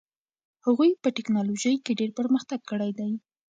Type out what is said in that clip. هغوی په ټیکنالوژۍ کې ډېر پرمختګ کړی دي.